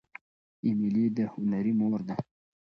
ایمیلي د هنري مور ده.